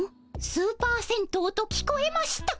「スーパー銭湯」と聞こえました。